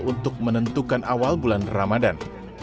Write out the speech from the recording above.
untuk menentukan awal bulan ramadan